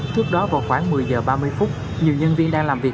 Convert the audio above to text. trước đó vào khoảng một mươi giờ ba mươi phút nhiều nhân viên đang làm việc